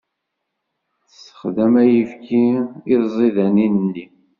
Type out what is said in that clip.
Tessexdam ayefki i tẓidanin-nni.